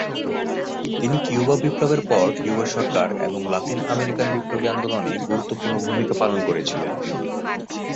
তিনি কিউবা বিপ্লবের পর কিউবা সরকার এবং লাতিন আমেরিকান বিপ্লবী আন্দোলনে গুরুত্বপূর্ণ ভূমিকা পালন করেছিলেন।